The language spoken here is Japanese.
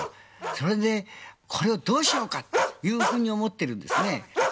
それで、これをどうしようかっていうふうに思っているんですね。